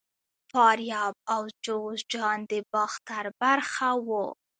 فاریاب او جوزجان د باختر برخه وو